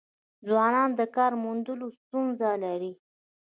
ځوانان د کار موندلو ستونزه لري.